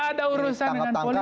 tidak ada urusan dengan politik